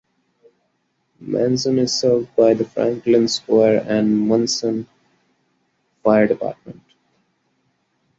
Munson is served by the Franklin Square and Munson Fire Department.